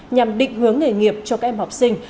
nhằm định hướng nghề nghiệp cho các em học sinh